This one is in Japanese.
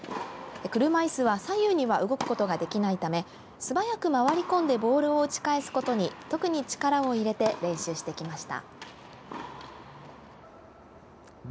車いすは左右には動くことができないため素早く回り込んでボールを打ち返すことに特に力を入れて練習してきました。